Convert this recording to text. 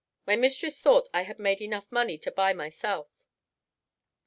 My mistress thought I had made enough money to buy myself.